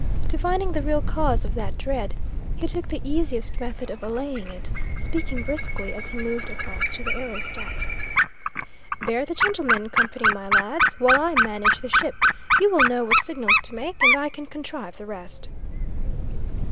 Divining the real cause of that dread, he took the easiest method of allaying it, speaking briskly as he moved across to the aerostat. "Bear the gentleman company, my lads, while I manage the ship. You will know what signals to make, and I can contrive the rest."